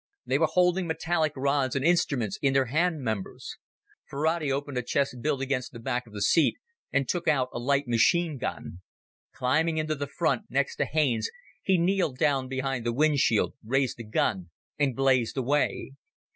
They were holding metallic rods and instruments in their hand members. Ferrati opened a chest built against the back of the seat and took out a light machine gun. Climbing into the front, next to Haines, he kneeled down behind the windshield, raised the gun, and blazed away.